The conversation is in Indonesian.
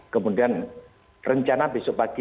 kemudian rencana besok pagi